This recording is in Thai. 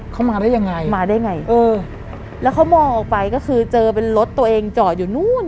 เขามาได้ยังไงมาได้ไงเออแล้วเขามองออกไปก็คือเจอเป็นรถตัวเองจอดอยู่นู้น